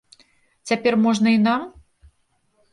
Цяпер можна і нам?